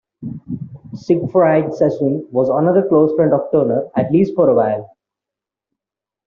Siegfried Sassoon was another close friend of Turner, at least for a while.